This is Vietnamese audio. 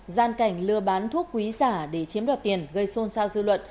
gian cảnh lừa bán thuốc quý giả để chiếm đoạt tiền gây xôn xao dư luận